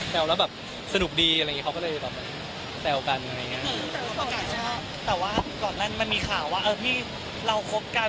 เป็นคนรักดีอะไรนี้แจ้วเล่าแบบสนุกดีอะไรเนี่ยเขาก็เลยแบบแจ้วกัน